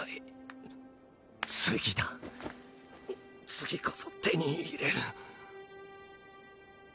次こそ手に入れる。